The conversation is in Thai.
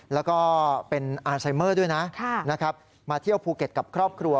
แล้วก็เป็นอาร์ไซเมอร์ด้วยนะมาเที่ยวภูเก็ตกับครอบครัว